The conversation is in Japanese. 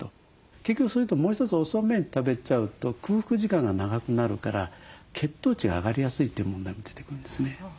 結局それともう一つ遅めに食べちゃうと空腹時間が長くなるから血糖値が上がりやすいという問題も出てくるんですね。